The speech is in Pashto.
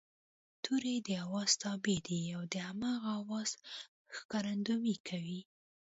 توری د آواز تابع دی او د هماغه آواز ښکارندويي کوي